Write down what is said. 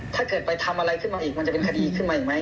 ถ้าเกิดไปทำอะไรขึ้นมาอีกมันจะเป็นคดีขึ้นมาอีกไหม